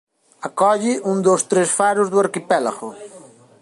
Acolle un dos tres faros do arquipélago.